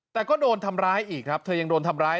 แต่ก็โดนทำร้ายอีกครับเธอยังโดนทำร้าย